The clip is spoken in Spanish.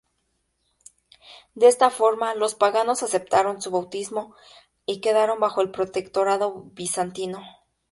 De esta forma, los paganos aceptaron su bautismo y quedaron bajo el protectorado bizantino.